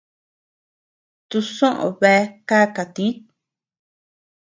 Tusoʼö bea kaka tït.